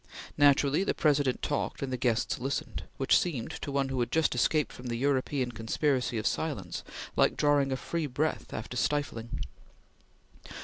Naturally the President talked and the guests listened; which seemed, to one who had just escaped from the European conspiracy of silence, like drawing a free breath after stifling.